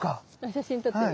写真撮ってみる？